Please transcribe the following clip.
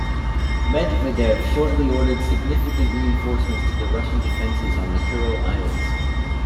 Medvedev shortly ordered significant reinforcements to the Russian defences on the Kuril Islands.